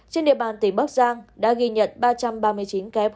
trên địa bàn tỉnh bắc sang đã ghi nhận ba trăm ba mươi chín ca f